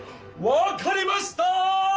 わかりました！